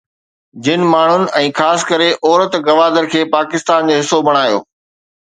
جن ماڻهن ۽ خاص ڪري عورت گوادر کي پاڪستان جو حصو بڻايو